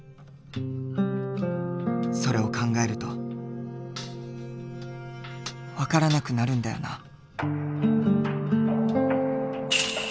それを考えると分からなくなるんだよな。